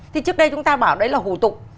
thì trước đây chúng ta bảo đấy là hủ tục